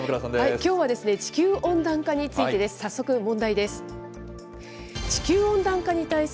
きょうは地球温暖化についてです。